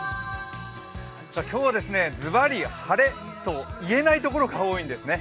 今日はずばり、晴れと言えないところが多いんですね。